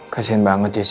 kasihan banget jessy